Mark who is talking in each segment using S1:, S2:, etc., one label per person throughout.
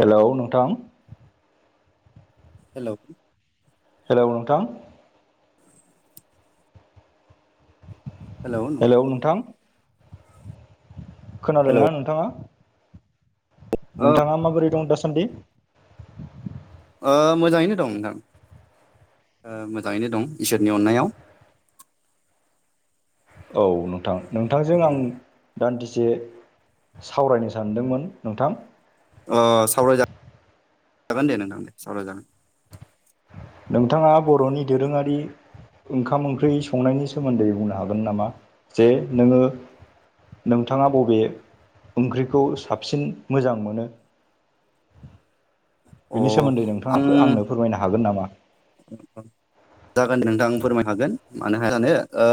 S1: Hello नोंथां
S2: hello
S1: hello नोंथां hello नोंथां खोनादों ना नोंथाङा
S2: औ
S1: नोंथाङा माबोरै दं दासान्दि
S2: ओ मोजाङैनो दं नोंथां मोजाङैनो दं इसोरनि अननायाव [inaudible]
S1: औ नोंथां नोंथांजों आं दान्दिसे जे सावरायनो सानदोंमोन नोंथां?
S2: अ सावरायज जागोन दे नोंथां दे सावरायजागोन!
S1: नोंथाङा बर'नि दोरोङारि ओंखाम ओंख्रि संनायनि सोमोन्दै बुंनो हागोन नामा जे नोङो नोंथाङा बबे ओंख्रिखौ साबसिन मोजां मोनो?
S2: [inaudible]
S1: बिनि
S2: अ
S1: सोमोन्दै
S2: आं
S1: नोंथाङा फो आंनो फोरमायनो हागोन नामा?
S2: जागोन दे नोंथां आं फोरमाय हागोन मानो हाया जानो ओ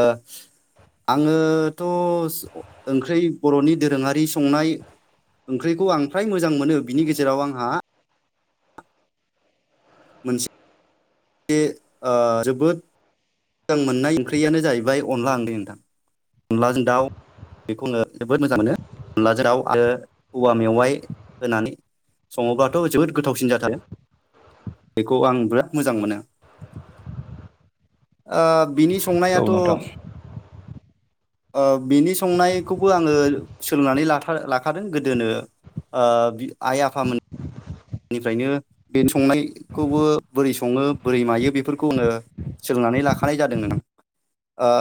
S2: आङोथ' ओंख्रै बर'नि दोरोङारि संनाय ओंख्रिखौ आं फ्राय मोजां मोनो बिनि गेजेराव आंहा मोनसे बे आ जोबोद मोजां मोननाय ओंख्रियानो जाहैबाय अनला आंदै नोंथां! अनलाजों दाउ! बेखौ जोबोद मोजां मोनो अनला जाव आरो औवा मेवाइ होनानै सङोबाथ' जोबोद गोथावसिन जाथारो! बेखौ आं बिराद मोजां मोनो ओ बिनि
S1: औ
S2: संनायाथ [unintelligible]
S1: नोंथां
S2: ओ बिनि संनायखौबो आङो सोलोंनानै लाथार लाखादों गोदोनो ओ आइ आफामोन बेनिफ्रायनो बे संनायखौबो बोरै सङो बोरै मायो बेफोरखौ आङो सोलोंनानै लाखानाय जादोंमोन ओ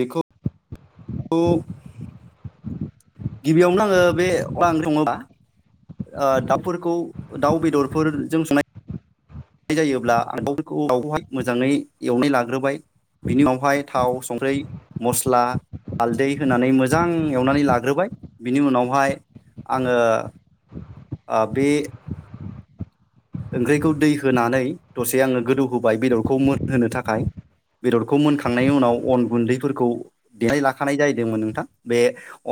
S2: बेखौ द [unintelligible] गिबियावनो आङो बे बाग्रिं मावब्ला ओ दाउफोरखौ दाउ बेदरफोरजों संनाय नाय जायोब्ला आं दावफोरखौ दाउहाय मोजाङै एवनाय लाग्रोबाय बिनि उनावहाय थाव संख्रि मस्ला हालदै होनानै मोजां एवनानै लाग्रोबाय बिनि उनावहाय आङो आ बे ओंख्रिखौ दै होनानै दसे आङो गोदौ होबाय बेदरखौ मोनहोनो थाखाय बेदरखौ मोनखांनायनि उनाव अन गुन्दैफोरखौ देनाय लाखानाय जाहैदोंमोन नोंथां बे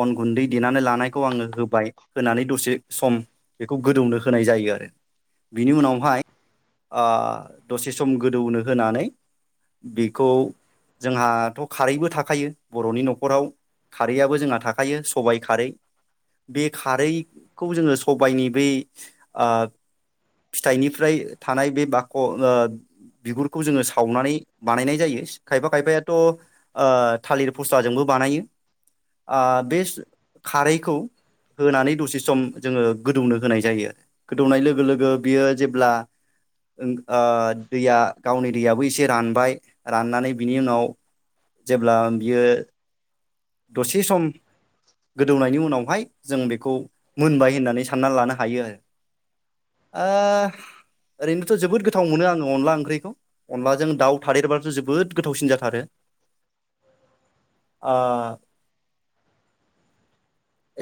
S2: अन गुन्दै देनानै लानायखौ आङो होबाय होनानै दसे सम बेखौ गोदौनो होनाय जायो आरो बिनि उनावहाय आ दसे सम गोदौनो होनानै बेखौ जोंहाथ खारैबो थाखायो बरनि नखराव खारैआबो जोंहा थाखायो सबायाइ खारै बे खारैखौ जोङो सबायनि बै ओ फिथाइनिफ्राय थानाय बे बाख' ओ बिगुरखौ जोङो सावनानै बानायनाय जायो खायफा खायफायाथ ओ थालिर फस्लाजोंबो बानायो आ बेस खारैखौ होनानै दसे सम जोङो गोदौनो होनाय जायो गोदौनाय लोगो लोगो बियो जेब्ला ओ दैया गावनि दैयाबो एसे रानबाय राननानै बिनि उनाव जेब्ला बियो दसे सम गोदौनायनि उनावहाय जों बेखौ मोनबाय होननानै साननानै लानो हायो आरो ओ ओरैनोथ जोबोद गोथाव मोनो आङो अनला ओंख्रिखौ अनलाजों दाउ थादेरबाथ' जोबोद गोथावसिन जाथारो! आ!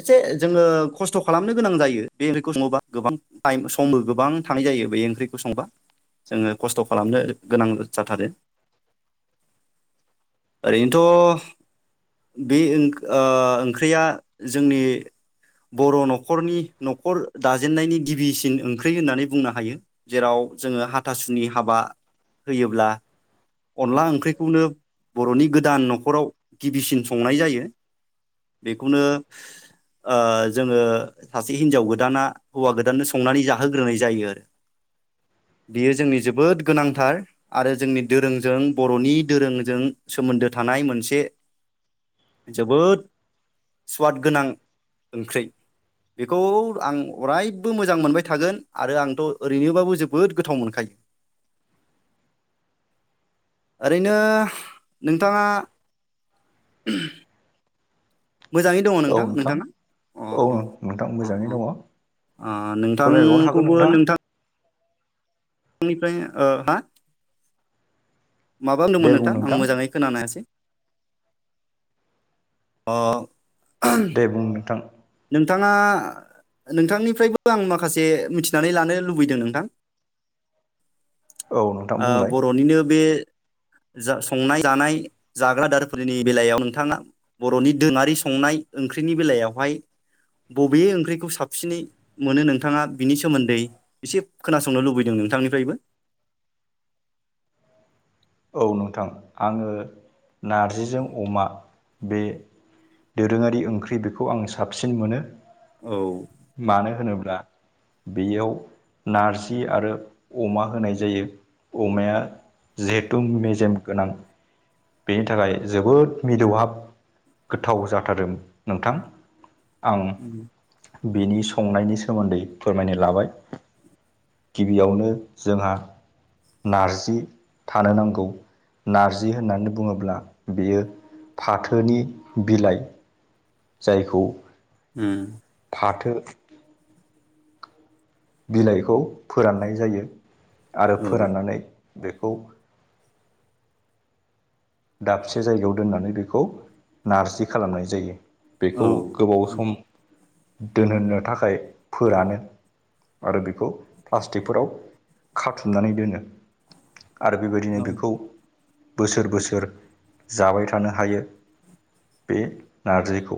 S2: एसे जोङो खस्थ खालामनो गोनां जायो बे ओंख्रिखौ सङोबा गोबां टाइम समबो गोबां थानाय जायो बे ओंख्रिखौ संबा जोङो खस्थ खालामनो गोनां जाथारो ओरै नोथ बे ओं ओ ओंख्रिया जोंनि बर' नखरनि नखर दाजेननायनि गिबिसिन ओंख्रि होननानै बुंनो हायो जेराव जोंङो हाथासुनि हाबा होयोब्ला अनला ओंख्रिखौनो बर'नि गोदान नखराव गिबिसिन संनाय जायो। बे खौनो ओ जोंङो सासे हिन्जाव गोदाना हौवा गोदाननो संनानै जा होग्रोनाय जायो आरो। बियो जोंनि जोबोद गोनांथार आरो जोंनि दोरोंजों बर'नि दोरोंजों सोमोन्दो था नाय मोनसे जोबोद स्वाद गोनां ओंख्रि बेखौ आं अरायबो मोजां मोनबाय थागोन आरो आंथ ओरैनोबाबो जोबोद गोथाव मोनखायो। ओरैनो नोंथांङा [unintelligible] मोजांङै दंङ' नोंथां नोंथांङा अ
S1: औ
S2: अ
S1: नोंथां
S2: अ
S1: मोजाङै
S2: अ
S1: दङ
S2: आ
S1: फोरमायबावनो हागोन
S2: नोंथांखौबो
S1: नोंथाङा
S2: नोंथां थांनिफ्राय ओ मा माबा
S1: दे
S2: होनदोंमोन
S1: बुं
S2: नोंथां आं मोजांङै खोनानो हासै? अ
S1: दे बुं नोंथां।
S2: नोंथांङा नोंथांनिफ्रायबो आं माखासे मिथिनानै लानो लुबैदों नोंथां।
S1: औ नोंथां
S2: आ
S1: बुंलाय
S2: बर'निनो बे जा संनाय जानाय जाग्रा दारफोरनि बेलायाव नोंथांङा बरनि दोरोंङारि संनाय ओं ख्रिनि बेलायावहाय बबे ओंख्रिखौ साबसिनै मोनो नोंथांङा बिनि सोमोन्दै एसे खोनासंनो लुबैदों नोंथां। निफ्रायबो
S1: औ नोंथां आंङो नारजिजों अमा बे दोरोंङारि ओंख्रि बेखौ आं साबसिन मोनो।
S2: औ
S1: मानो होनोब्ला बेयाव नारजि आरो अमा होनाय जायो। अमाया जेथुम मेजेम गोनां बेनि थाखाय जोबोद मिलौहाब गोथाव जाथारदों नोंथां आं
S2: उम
S1: बिनि संनायनि सोमोन्दै फोरमायनो लाबाय। गिबियावनो जोंहा नारजि थानो नांगौ नारजि होननानै बुंङोब्ला बेयो फाथोनि बिलाइ। जायखौ
S2: ओम
S1: फाथो बिलाइखौ फोराननाय जायो आरो
S2: औ
S1: फोराननानै बेखौ दाबसे जायगायाव दोननानै बेखौ नारजि खालामनाय जायो।
S2: औ
S1: बेखौ गोबाव सम दोनहोननो थाखाय फोरानो आरो बेखौ प्लास्टिकफोराव खाथुमनानै दोनो। आरो बेबायदिनो बेखौ बोसोर बोसो सोर जाबाय थानो हायो बे नारजिखौ।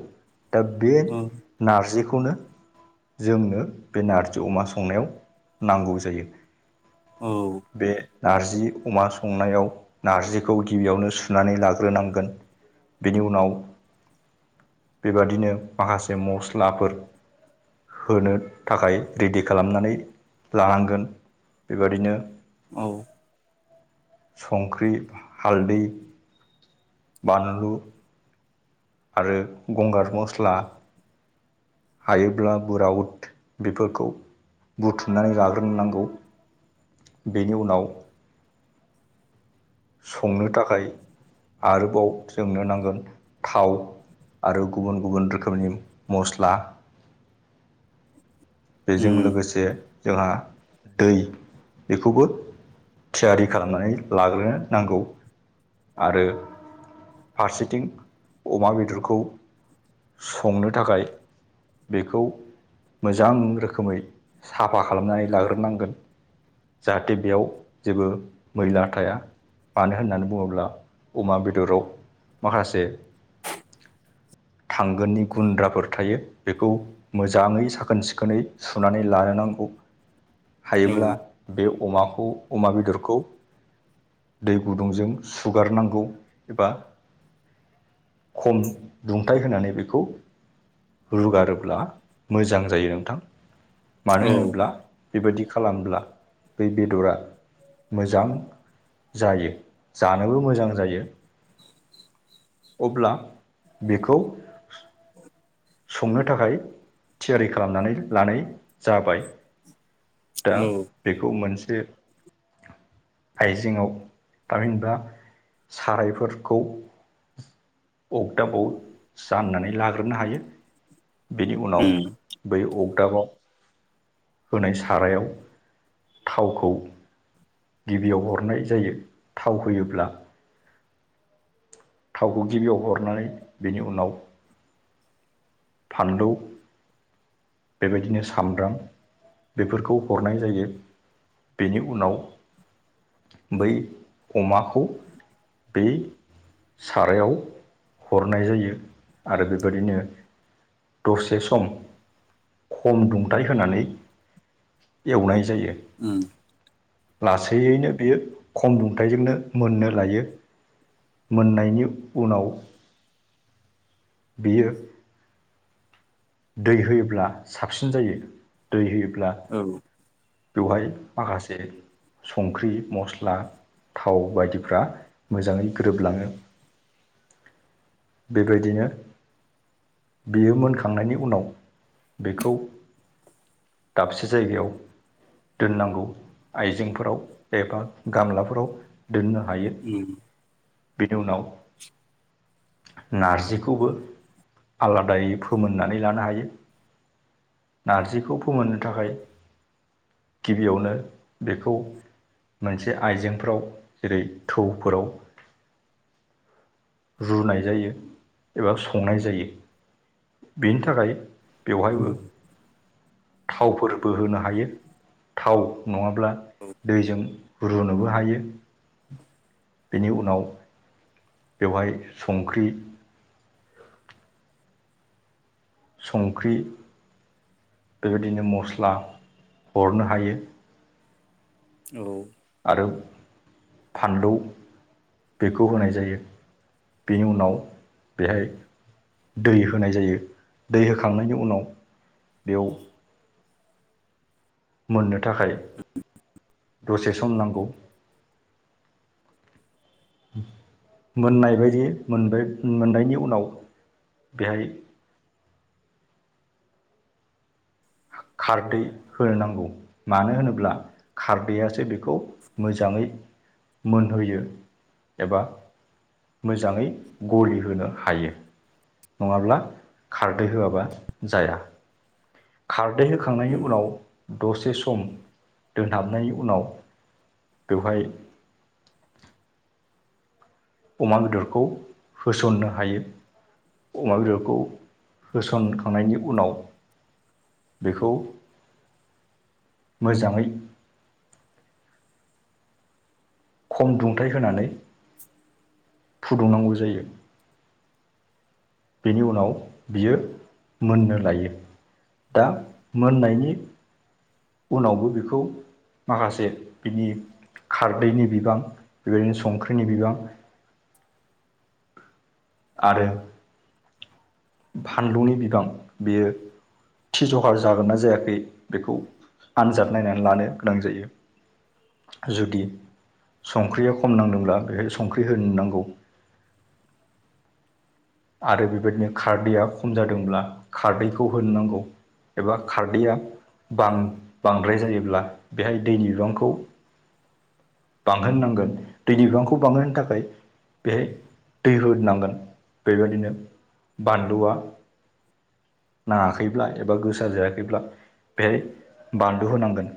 S1: दा बे
S2: औ
S1: नारजि खौ बेखौनो जोंनो बे नारजि अमा संनायाव नांगौ जायो।
S2: औ
S1: बे नारजि अमा संनायाव नारजिखौ गिबियावनो सुनानै लाग्रोनांगोन बेनि उनाव बेबादिनो माखासे मस्लाफोर होनो थाखाय रेडि खालामनानै लानांगोन बेबादिनो
S2: औ
S1: संख्रि हालदै बानलु आरो गंगार मस्ला हायोब्ला बुरा उद बेफोरखौ बुथुमनानै लाग्रोनोनांगौ बेनि उनाव संनो थाखाय आरोबाव जोंनो नांगोन थाव आरो गुबुन गुबुन रोखोमनि मस्ला
S2: [inaudible]
S1: बेजों
S2: उम
S1: लोगोसे जोंहा दै बेखौबो थियारि खालामनानै लाग्रोनो नांगौ आरो फारसेथिं अमा बेदरखौ संनो थाखाय बेखौ मोजां रोखोमै साफा खालामनानै लाग्रोनांगोन जाहाथे बेयाव जेबो मैला थाया मानो होननानै बुङोब्ला अमा बेदराव माखासे
S2: [inaudible]
S1: थांगोननि गुन्द्राफोर थायो बेखौ मोजाङै साखोन सिखोनै सुनानै लानो नांगौ
S2: [inaudible] औ
S1: हायोब्ला बे अमाखौ अमा बेदरखौ दै गुदुंजों सुगारनांगौ एबा खम दुंथाय होनानै बेखौ रुगारोब्ला मोजां जायो नोंथां मानो
S2: औ
S1: होनोब्ला बेबायदि खालामब्ला बै बेदरा मोजां जायो जानोबो मोजां जायो अब्ला बेखौ संनो थाखाय थियारि खालामनानै लानाय जाबाय दा
S2: औ
S1: बेखौ मोनसे आइजेङाव थामहिनबा सारायफोरखौ अगदाबाव जाननानै लाग्रोनो हायो बेनि उनाव
S2: उम
S1: बै अगदाबाव होनाय सारायाव थावखौ गिबियाव हरनाय जायो थाव होयोब्ला थावखौ गिबियाव हरनानै बेनि उनाव फानलौ बेबायदिनो सामब्राम बेफोरखौ हरनाय जायो बेनि उनाव बै अमाखौ बे सारायाव हरनाय जायो आरो बेबायदिनो दसे सम खम दुंथाय होनानै एवनाय जायो
S2: उम
S1: लासैयैनो बियो खम दुंथायाइजोंनो मोननो लायो मोननायनि उनाव बेयो दै होयोब्ला साबसिन जायो दै होयोब्ला
S2: औ
S1: बेवहाय माखासे संख्रि मस्ला थाव बायदिफ्रा मोजाङै गोरोबलाङो बेबायदिनो बेयो मोनखांनायनि उनाव बेखौ दाबसे जायगायाव दोननांगौ आइजेंफोराव एबा गामलाफोराव दोननो हायो
S2: उम
S1: बेनि उनाव नारजिखौबो आलादायै फोमोननानै लानो हायो नारजिखौ फोमोननो थाखाय गिबियावनो बेखौ मोनसे आइजेंफोराव जेरै थौफोराव
S2: [inaudible]
S1: रुनाय जायो एबा संनाय जायो बेनि थाखाय बेवहायबो
S2: उम
S1: थावफोरबो होनो हायो थाव नङाब्ला दैजों रुनोबो हायो बेनि उनाव बेवहाय संख्रि संख्रि बेबायदिनो मस्ला हरनो हायो
S2: औ
S1: आरो फानलौ बेखौ होनाय जायो बेनि उनाव बेहाय दै होनाय जायो दै होखांनायनि उनाव बेयाव मोननो थाखाय दसे सम नांगौ मोननाय बायदि मोनबाय मोननायनि उनाव बेहाय खारदै होनो नांगौ मानो होनोब्ला खारदैआसो बे बेखौ मोजाङै मोनहोयो एबा मोजाङै गलि होनो हायो नङाब्ला खारदै होआबा जाया खारदै होखांनायनि
S2: उम
S1: उनाव दसे सम दोनहाबनायनि उनाव बेवहाय
S2: [inaudible]
S1: अमा बेदरखौ होसननो हायो अमा बेदरखौ होसनखांनायनि उनाव बेखौ मोजाङै खम दुंथाइ होनानै
S2: [inaudible]
S1: फुदुंनांगौ जायो बेनि उनाव बियो मोननो लायो दा मोननायनि उनावबो बेखौ माखासे बिनि खारदैनि बिबां बेबायदिनो संख्रिनि बिबां आरो फानलुनि बिबां बेयो थि जखा जागोननाा जायाखै बेखौ आनजाद नायनानै लानो गोनां जायो जुदि संख्रिया खम नांदोंब्ला बेहाय संख्रि होनो नांगौ
S2: [inaudible]
S1: आरो बेबायदिनो खारदैया खम जादोंब्ला खारदैखौ होनो नांगौ एबा खारदैआ बांद्राय जायोब्ला बेहाय दै बिरांखौ बांहोन नांगोन दैनि बिबांखौ बांहोनो थाखाय बेहाय दै रोनांगोन बेबायदिनो बानलुआ नाङाखैब्ला एबा गोसार जायाखैब्ला बेहाय बान्दु होनांगोन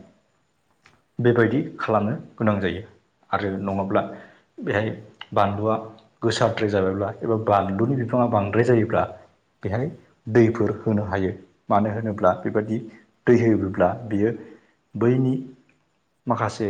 S1: बेबायदि खालामनो गोनां जायो आरो नङाब्ला बेहाय बानलुआ गोसारद्राय जाबायब्ला एबा बानलुनि बिफाङा बांद्राय जायोब्ला बेहाय दैफोर होनो हायो मानो होनोब्ला बेबायदि दै होयोब्ला बियो बैनि माखासे